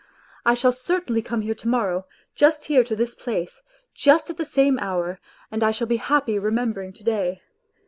I shall cer tainly come here to morrow, just here to this place, just at the same hour, and I shall be happy remembering to day.